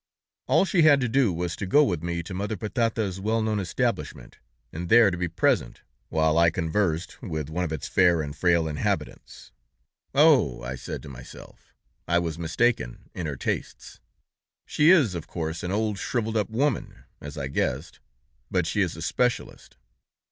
All she had to do was to go with me to Mother Patata's well known establishment, and there to be present while I conversed with one of its fair and frail inhabitants. "'Oh!' I said to myself, 'I was mistaken in her tastes. She is, of course, an old, shriveled up woman, as I guessed, but she is a specialist.